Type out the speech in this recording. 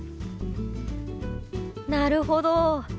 なるほど。